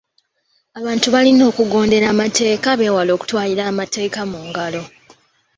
Abantu balina okugondera amateeka beewale okutwalira amateeka mu ngalo.